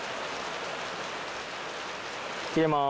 切れます。